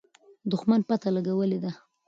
دښمن پته لګولې ده.